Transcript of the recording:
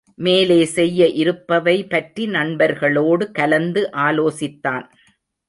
மேலே செய்ய இருப்பவை பற்றி நண்பர்களோடு கலந்து ஆலோசித்தான்.